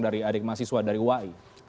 dari adik mahasiswa dari uai